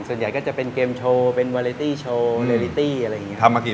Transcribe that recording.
ส่วนใหญ่ก็จะเป็นเกมโชว์เป็นวาเลตี้โชว์เลลิตี้อะไรอย่างนี้ครับ